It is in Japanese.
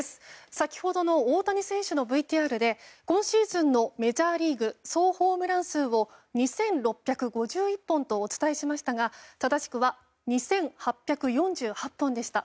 先ほどの大谷選手のＶＴＲで今シーズンのメジャーリーグ総ホームラン数を２６５１本とお伝えしましたが正しくは２８４８本でした。